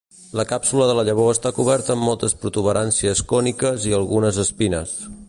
La càpsula de la llavor està coberta amb moltes protuberàncies còniques i algunes espines.